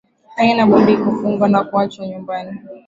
Haina budi kufungwa na kuachwa nyumbani